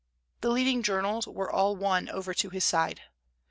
The leading journals were all won over to his side.